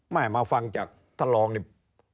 ไม่ให้มาฟังจากท่านรองเนี่ย